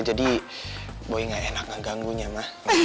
jadi boy gak enak ngeganggunya ma